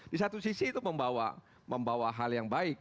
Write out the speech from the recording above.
di satu sisi itu membawa hal yang baik